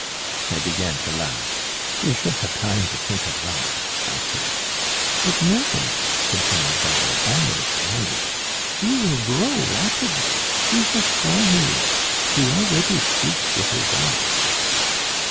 I began to laugh. "We shall have time to think of that," I said. "But no," continued Babet almost angry, "he will grow rapidly. See how strong he is. He already speaks with his eyes."